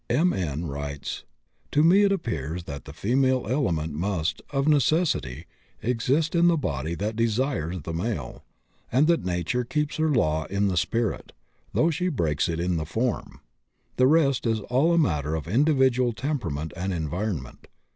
M.N. writes: "To me it appears that the female element must, of necessity, exist in the body that desires the male, and that nature keeps her law in the spirit, though she breaks it in the form. The rest is all a matter of individual temperament and environment.